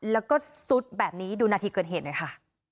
แล้วก็ซุดแบบนี้ดูนาทีเกิดเหตุหน่อยค่ะ